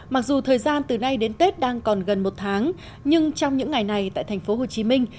mặc dù thời gian từ nay đến tết đang còn gần một tháng nhưng trong những ngày này tại thành phố hồ chí minh